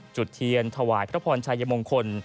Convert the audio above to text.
จุดเทียนถวายพระพรชัยมงคล